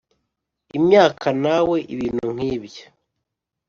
Imyaka na we ibintu nk ibyo